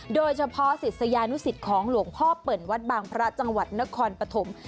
โดยเฉพาะศิษยานุสิตของหลวงพ่อเปิ่นวัดบางพระจังหวัดนครปฐม